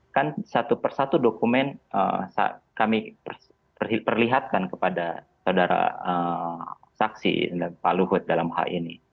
kan satu persatu dokumen kami perlihatkan kepada saudara saksi pak luhut dalam hal ini